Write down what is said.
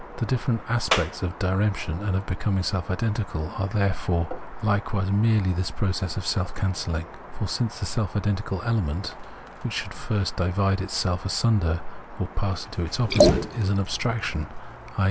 The different aspects of diremp tion and of becoming self identical are therefore hkewise merely this process of self cancelling. For since the self identical element, which should first divide itself asunder or pass into its opposite, is an abstraction, i.